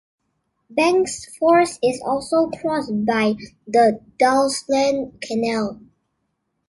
Bengtsfors is also crossed by the Dalsland Canal.